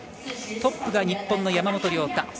トップが日本の山本涼太。